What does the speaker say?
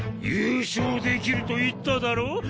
優勝できると言っただろう。